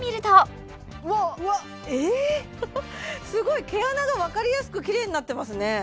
すごい毛穴が分かりやすくきれいになってますね